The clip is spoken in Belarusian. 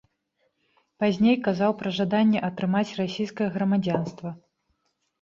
Пазней казаў пра жаданне атрымаць расійскае грамадзянства.